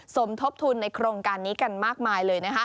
สมทบทุนในโครงการนี้กันมากมายเลยนะคะ